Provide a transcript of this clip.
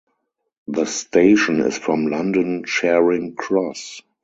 The station is from London Charing Cross.